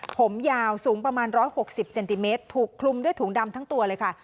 ผมยาวสูงประมาณ๑๖๐เซนติเมตรถูกคลุมด้วยถุงดำทั้งตัวเลยค่ะ